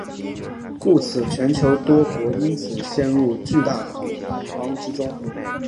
故此全球多国因此陷入巨大恐慌之中。